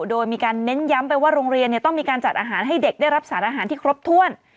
โดยมีการเน้นย้ำไปว่าโรงเรียนต้องมีการจัดอาหารให้เด็กได้รับสารอาหารที่ครบถ้วน